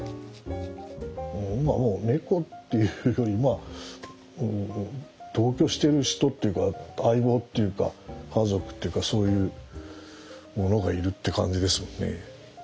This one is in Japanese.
今もう猫っていうより同居してる人っていうか相棒っていうか家族っていうかそういうものがいるって感じですもんね。